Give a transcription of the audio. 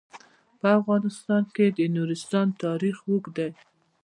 په افغانستان کې د نورستان تاریخ اوږد دی.